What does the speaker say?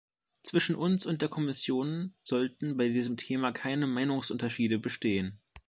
Zwischen uns und der Kommission sollten bei diesem Thema keine Meinungsunterschiede bestehen.